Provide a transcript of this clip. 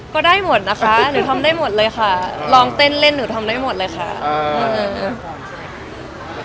ก็ได้หมดนะคะหนูทำได้หมดเลยค่ะลองเต้นเล่นหนูทำได้หมดเลยค่ะอ่า